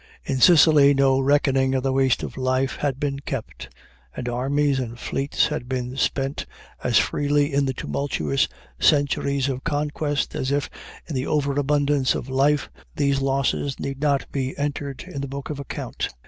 In Sicily no reckoning of the waste of life had been kept, and armies and fleets had been spent as freely in the tumultuous centuries of conquest as if, in the over abundance of life, these losses need not be entered in the book of account.